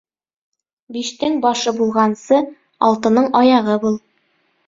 Биштең башы булғансы, алтының аяғы бул.